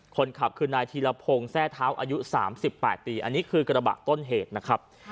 คนขับคือนายธีรพงศ์แทร่เท้าอายุ๓๘ปีอันนี้คือกระบะต้นเหตุนะครับ